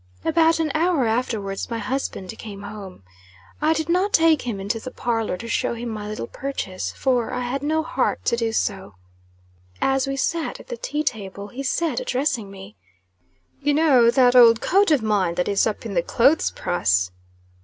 About an hour afterwards my husband came home. I did not take him into the parlor to show him my little purchase, for, I had no heart to do so. As we sat at the tea table, he said, addressing me "You know that old coat of mine that is up in the clothes press?"